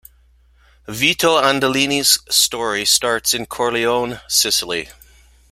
Vito Andolini's story starts in Corleone, Sicily.